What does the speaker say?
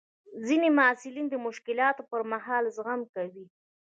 ځینې محصلین د مشکلاتو پر مهال زغم کوي.